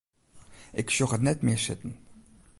Ik sjoch it net mear sitten.